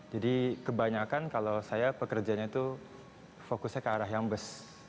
jadi kebanyakan kalau saya pekerjanya itu fokusnya ke arah yang bus